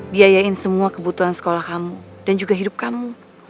biayain semua kebutuhan sekolah kamu dan juga hidup kamu